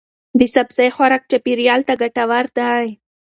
د سبزی خوراک چاپیریال ته ګټور دی.